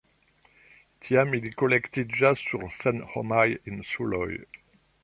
Tiam ili kolektiĝas sur senhomaj insuloj.